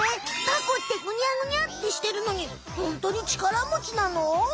タコってグニャグニャってしてるのにホントにちから持ちなの？